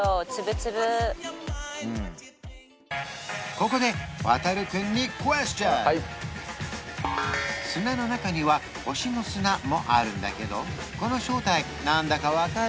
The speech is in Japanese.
ここで砂の中には星の砂もあるんだけどこの正体何だか分かる？